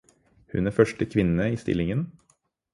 Hun er første kvinne i stillingen.